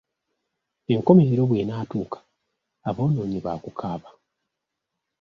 Enkomerero bw’enaatuuka, aboonoonyi baakukaaba.